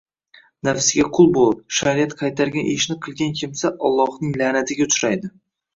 Nafsiga qul bo‘lib, shariat qaytargan ishni qilgan kimsa Allohning la’natiga uchraydi.